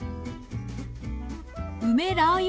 梅ラー油